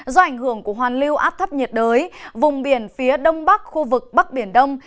do ảnh hưởng của hoàn lưu áp thấp nhiệt đới vùng biển phía đông bắc khu vực bắc biển đông